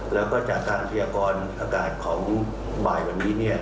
แล้วก็จากการพยากรอากาศของบ่ายวันนี้